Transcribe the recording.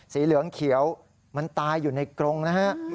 สีเหลืองเขียวมันตายอยู่ในกรงนะฮะ